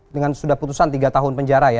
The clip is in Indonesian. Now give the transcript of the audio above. dengan sudah putusan tiga tahun penjara ya